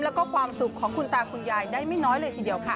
แล้วก็ความสุขของคุณตาคุณยายได้ไม่น้อยเลยทีเดียวค่ะ